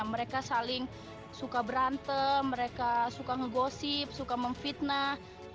mereka saling suka berantem mereka suka ngegosip suka memfitnah